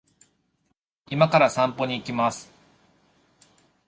今から散歩に行きます